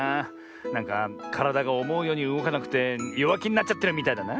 なんかからだがおもうようにうごかなくてよわきになっちゃってるみたいだな。